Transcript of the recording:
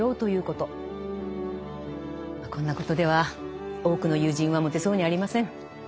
こんなことでは多くの友人は持てそうにありません。